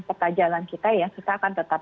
peta jalan kita ya kita akan tetap